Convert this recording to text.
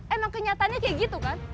emang kenyataannya kayak gitu kan